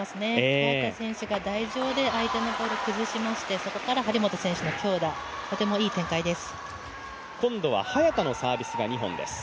早田選手が台上で相手のボールを崩しましてそこから張本選手の強打とても、いい展開です。